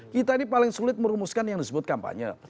kita ini paling sulit merumuskan yang disebut kampanye